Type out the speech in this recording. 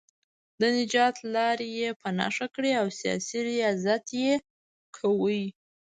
د نجات لارې یې په نښه کړې او سیاسي ریاضت یې کاوه.